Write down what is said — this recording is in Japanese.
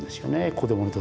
子どもの時。